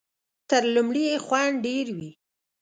تر لومړي یې خوند ډېر وي .